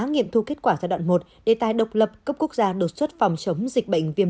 nghiệm thu kết quả giai đoạn một đề tài độc lập cấp quốc gia đột xuất phòng chống dịch bệnh viêm